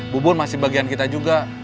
bubun masih bagian kita juga